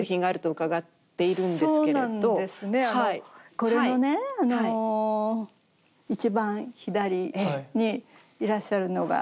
これのね一番左にいらっしゃるのが。